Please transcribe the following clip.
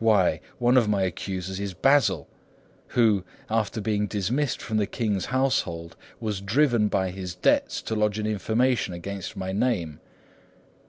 Why, one of my accusers is Basil, who, after being dismissed from the king's household, was driven by his debts to lodge an information against my name.